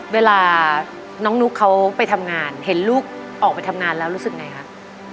เวลาน้องนุ๊กเขาไปทำงานเห็นลูกออกไปทำงานแล้วรู้สึกไงครับ